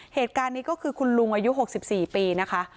เหตุการณ์นี้ก็คือคุณลุงอายุ๖๔ปีนะคะ